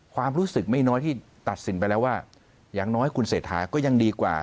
ความรู้สึกไม่น้อยที่ตัดสินไปแล้วว่าอย่างน้อยคุณเศรษฐาก็ยังดีกว่า